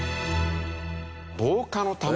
防火のため。